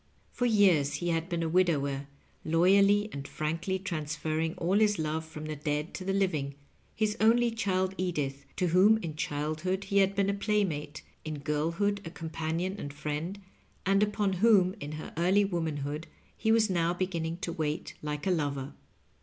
For years he had been a widower, loyally and frankly transferring all his love from the dead to the living— his only child Edith, to whom in childhood he had been a playmate, in girlhood a companion and friend, and upon whom, in her early womanhood, he was now banning to wait like a lover.